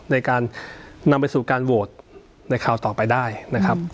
ในการนำไปสู่การโหวตในคราวต่อไปได้นะครับ